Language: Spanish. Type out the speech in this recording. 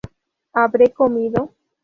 ¿Habré comido?